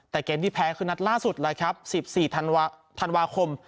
แต่เกมที่แพ้คือนัดล่าสุดเลยครับ๑๔ธันวาคม